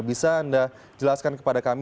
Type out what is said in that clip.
bisa anda jelaskan kepada kami